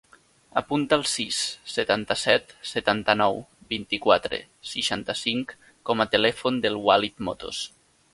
Apunta el sis, setanta-set, setanta-nou, vint-i-quatre, seixanta-cinc com a telèfon del Walid Motos.